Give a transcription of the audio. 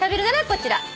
こちら。